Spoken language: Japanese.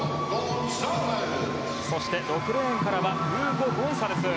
そして、６レーンからはウーゴ・ゴンサレス。